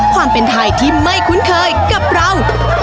ความเป็นไทยที่ไม่คุ้นเคยกับเรา